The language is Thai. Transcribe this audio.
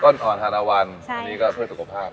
อ่อนทานวันอันนี้ก็เพื่อสุขภาพ